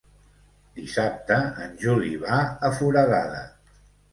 Dissabte en Juli va a Foradada.